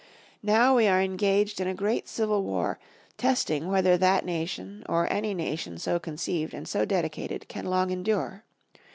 Now we are engaged in a great civil war, testing whether that nation, or any nation so conceived, and so dedicated, can long endure.